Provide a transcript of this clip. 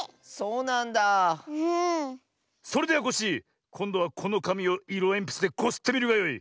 それではコッシーこんどはこのかみをいろえんぴつでこすってみるがよい。